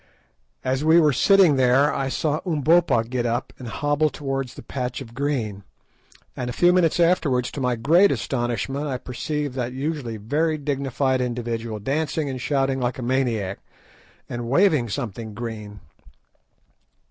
As we were sitting there I saw Umbopa get up and hobble towards the patch of green, and a few minutes afterwards, to my great astonishment, I perceived that usually very dignified individual dancing and shouting like a maniac, and waving something green.